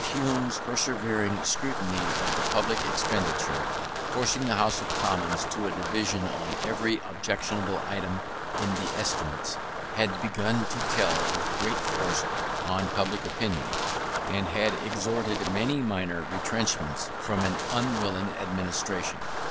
Hume's persevering scrutiny of the public expenditure, forcing the House of Commons to a division on every objectionable item in the estimates, had begun to tell with great force on public opinion, and had extorted many minor retrenchments from an unwilling administration.